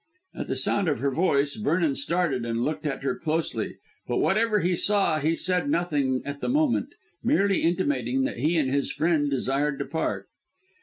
At the sound of her voice Vernon started and looked at her closely, but whatever he saw he said nothing at the moment, merely intimating that he and his friend desired to depart.